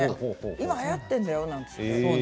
今はやっているんだよと言って。